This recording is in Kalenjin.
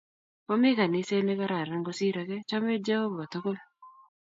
Momi kaniset nekararan kosir age, chomech Jeovah tukul